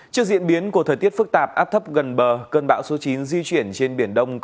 trước diễn biến của thời tiết phức tạp áp thấp gần bờ cơn bão số chín di chuyển trên biển đông